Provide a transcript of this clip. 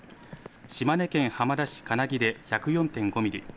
島根県浜田市金城で１０４．５ミリ